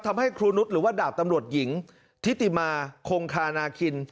ทำให้ครูนุษย์หรือว่าดาบตำรวจหญิงทิติมาคงคานาคิน